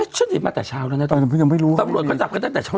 ตปรวจเค้าทราบกันกันตั้งแต่เช้า